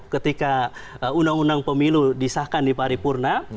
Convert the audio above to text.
ketika undang undang pemilu disahkan di paripurna